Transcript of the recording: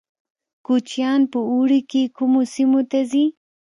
کوچیان په اوړي کې کومو سیمو ته ځي؟